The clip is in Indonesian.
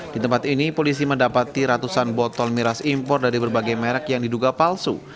di tempat ini polisi mendapati ratusan botol miras impor dari berbagai merek yang diduga palsu